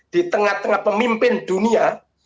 di tengah tengah pemimpin dunia